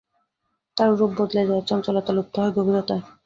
তার রূপ বদলে যায়, চাঞ্চলতা লুপ্ত হয় গভীরতায়।